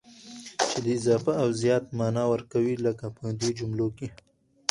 چي د اضافه او زيات مانا ور کوي، لکه په دې جملو کي: